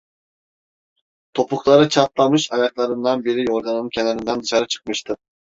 Topukları çatlamış ayaklarından biri yorganın kenarından dışarı çıkmıştı.